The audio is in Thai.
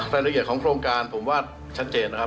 รายละเอียดของโครงการผมว่าชัดเจนนะครับ